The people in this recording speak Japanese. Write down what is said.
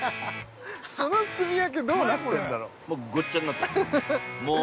◆そのすみわけどうなってんだろう。